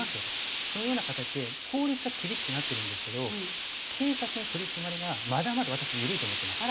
そのような形で法律は厳しくなってるんですけど警察の取り締まりがまだまだ私緩いと思ってます。